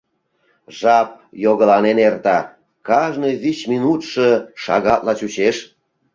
Жап йогыланен эрта, кажне вич минутшо шагатла чучеш.